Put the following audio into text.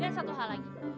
dan satu hal lagi